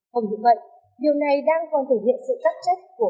không dự mệnh điều này đang còn thể hiện sự cắt trách của cả những người chỉnh dự án